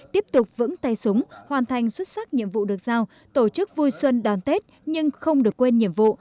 tiếp tục vững tay súng hoàn thành xuất sắc nhiệm vụ được giao tổ chức vui xuân đón tết nhưng không được quên nhiệm vụ